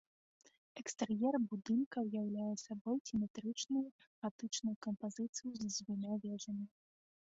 Экстэр'ер будынка ўяўляе сабой сіметрычную гатычную кампазіцыю з дзвюма вежамі.